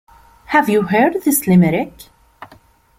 Have you heard this limerick?